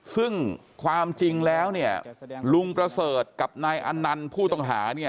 ซึ่งความจริงแล้วเนี่ยลุงประเสริฐกับนายอันนันต์ผู้ต้องหาเนี่ย